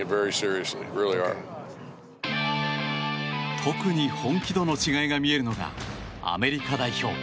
特に本気度の違いが見えるのがアメリカ代表。